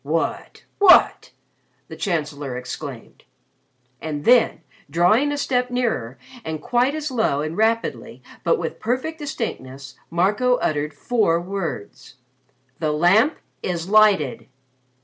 "What! What!" the Chancellor exclaimed. And then, drawing a step nearer and quite as low and rapidly but with perfect distinctness, Marco uttered four words: "The Lamp is lighted."